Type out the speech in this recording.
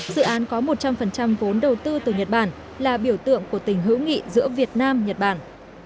dự án có một trăm linh vốn đầu tư từ nhật bản là biểu tượng của tình hữu nghị giữa việt nam nhật bản